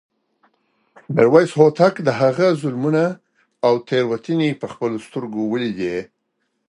میرویس هوتک د هغه ظلمونه او تېروتنې په خپلو سترګو لیدې.